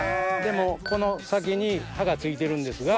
この先に刃が付いてるんですが。